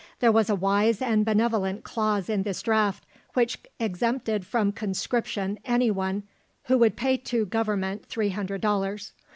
There was a wise and benevolent clause in this draft, which exempted from conscription any one who would pay to Government 300 dollars.